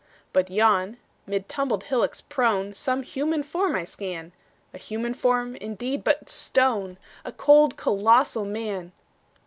But yon, mid tumbled hillocks prone, Some human form I scan A human form, indeed, but stone: A cold, colossal Man!